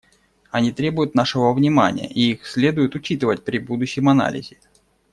Они требуют нашего внимания, и их следует учитывать при будущем анализе.